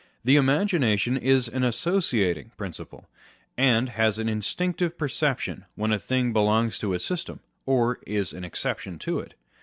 The imagination is an associating prin ciple ; and has an instinctive perception when a thing belongs to a system, or is an exception to it.